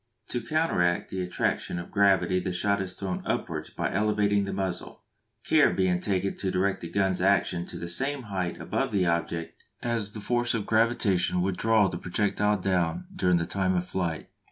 To counteract the attraction of gravity the shot is thrown upwards by elevating the muzzle, care being taken to direct the gun's action to the same height above the object as the force of gravitation would draw the projectile down during the time of flight.